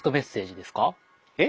えっ？